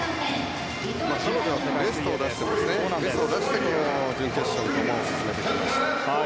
彼女はベストを出して準決勝に駒を進めてきました。